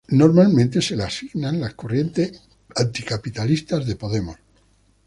Normalmente se la asigna en la corriente Anticapitalista de Podemos.